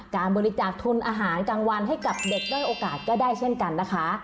การบริจาคทุนอาหารกลางวันให้กับเด็กด้อยโอกาสก็ได้เช่นกันนะคะ